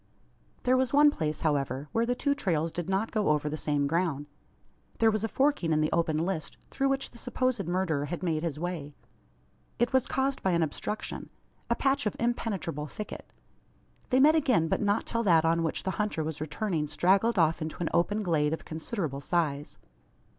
There was one place, however, where the two trails did not go over the same ground. There was a forking in the open list, through which the supposed murderer had made his way. It was caused by an obstruction, a patch of impenetrable thicket. They met again, but not till that on which the hunter was returning straggled off into an open glade of considerable size.